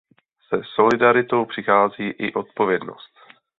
Se solidaritou přichází i odpovědnost.